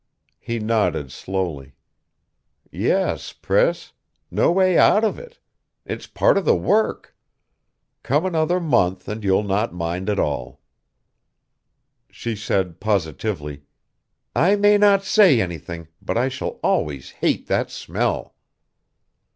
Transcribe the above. He nodded slowly. "Yes, Priss. No way out of it. It's part of the work. Come another month, and you'll not mind at all." She said positively: "I may not say anything, but I shall always hate that smell."